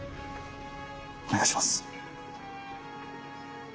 お願いします！